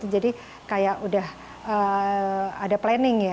jadi kayak udah ada planning ya